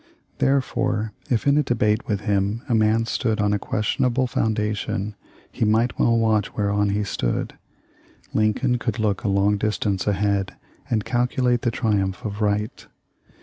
There fore if in debate with him a man stood on a questionable foundation he might well watch where on he stood. Lincoln could look a long distance ahead and calculate the triumph of right.